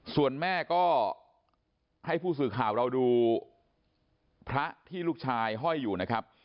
ส่วนแม่ก็ให้ผู้สื่อข่าวเราดูพระที่ลูกชายห้อยอยู่นะครับ